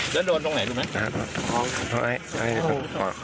แล้วโดนดูไหนหนึ่ง